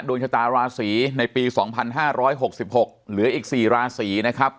ดวงชะตาราศรีในปีสองพันห้าร้อยหกสิบหกเหลืออีกสี่ราศรีนะครับ